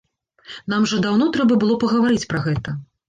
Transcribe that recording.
Нам жа даўно трэба было пагаварыць пра гэта.